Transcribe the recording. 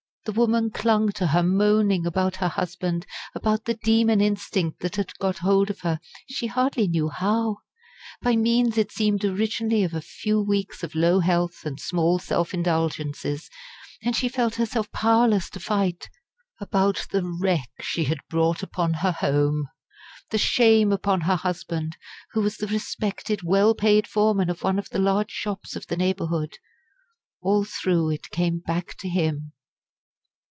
The woman clung to her, moaning about her husband, about the demon instinct that had got hold of her, she hardly knew how by means it seemed originally of a few weeks of low health and small self indulgences and she felt herself powerless to fight; about the wreck she had brought upon her home, the shame upon her husband, who was the respected, well paid foreman of one of the large shops of the neighbourhood. All through it came back to him.